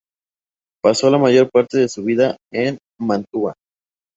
Pasó la mayor parte de su vida en Mantua.